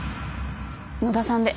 野田さんで。